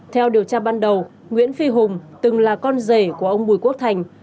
theo điều tra ban đầu nguyễn phi hùng từng là con rể của ông bùi quốc thành